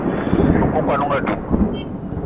Nku kwan on ga dug